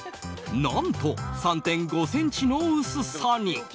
何と３．５ｃｍの薄さに！